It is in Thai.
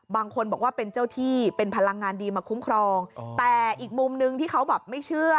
บางคนบอกว่าเป็นเจ้าที่เป็นพลังงานดีมาคุ้มครองแต่อีกมุมนึงที่เขาแบบไม่เชื่อ